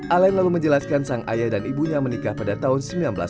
alan lalu menjelaskan sang ayah dan ibunya menikah pada tahun seribu sembilan ratus sembilan puluh